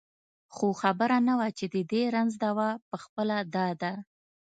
خو خبره نه وه چې د دې رنځ دوا پخپله دا ده.